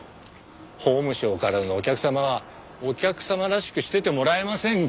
法務省からのお客様はお客様らしくしててもらえませんか？